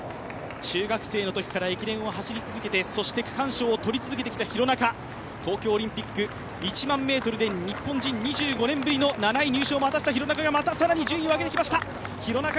中学生のときから駅伝を走り続けて区間賞を取り続けてきた廣中、東京オリンピック１００００ｍで日本人２５年ぶりの７位入賞を果たした廣中がまた更に順位を上げてきました。